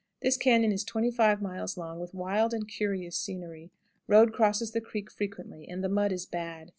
This cañon is 25 miles long, with wild and curious scenery. Road crosses the creek frequently, and the mud is bad.